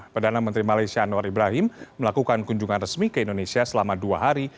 perdana menteri malaysia anwar ibrahim melakukan kunjungan resmi ke indonesia selama dua hari